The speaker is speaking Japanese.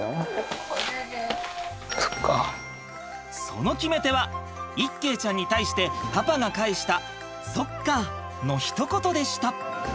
その決め手は一慶ちゃんに対してパパが返した「そっか」のひと言でした。